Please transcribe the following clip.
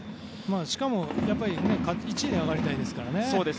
しかも１位で上がりたいですからね。